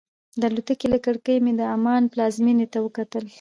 د الوتکې له کړکۍ مې د عمان پلازمېنې ته وکتل.